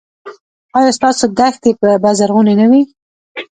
ایا ستاسو دښتې به زرغونې نه وي؟